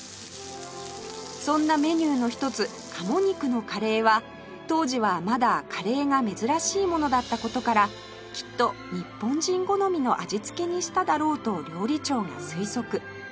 そんなメニューの一つ鴨肉のカレーは当時はまだカレーが珍しいものだった事からきっと日本人好みの味付けにしただろうと料理長が推測